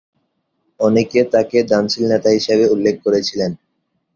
অনেকে তাকে দানশীল নেতা হিসাবে উল্লেখ করেছিলেন।